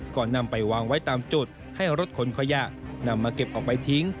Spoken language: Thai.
ก่อนนำไปวางไว้ตามจุดให้รถขนขยะนำมาเก็บออกไปทิ้ง